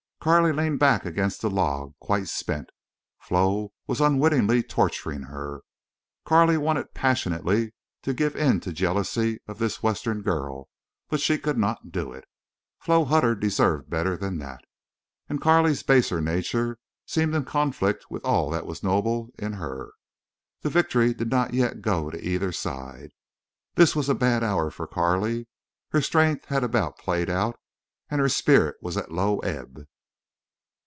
Carley leaned back against the log, quite spent. Flo was unwittingly torturing her. Carley wanted passionately to give in to jealousy of this Western girl, but she could not do it. Flo Hutter deserved better than that. And Carley's baser nature seemed in conflict with all that was noble in her. The victory did not yet go to either side. This was a bad hour for Carley. Her strength had about played out, and her spirit was at low ebb.